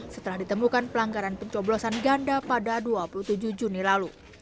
setelah ditemukan pelanggaran pencoblosan ganda pada dua puluh tujuh juni lalu